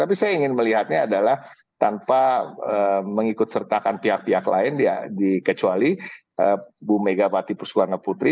tapi saya ingin melihatnya adalah tanpa mengikut sertakan pihak pihak lain kecuali ibu megawati pak tipus pak ngeputri